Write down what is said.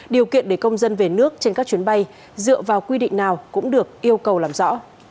điều kiện để công dân về nước trên các chuyến bay dựa vào quy định nào cũng được yêu cầu làm rõ